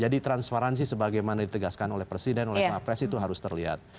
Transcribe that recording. jadi transparansi sebagaimana ditegaskan oleh presiden oleh pak pres itu harus terlihat